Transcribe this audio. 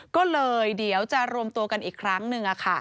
ก็เลยเดี๋ยวจะรวมตัวกันอีกครั้งหนึ่ง